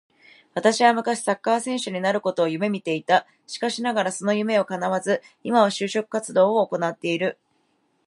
私は昔サッカー選手になることを夢見ていた。しかしながらその夢は叶わず、今は就職活動を行ってる。